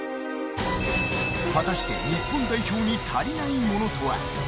果たして日本代表に足りないものとは。